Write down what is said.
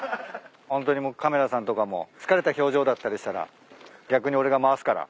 ホントにカメラさんとかも疲れた表情だったりしたら逆に俺が回すから。